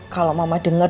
kalau mama denger